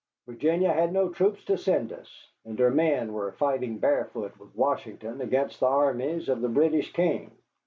Virginia had no troops to send us, and her men were fighting barefoot with Washington against the armies of the British king.